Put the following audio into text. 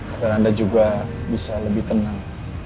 agar anda juga bisa lebih tenang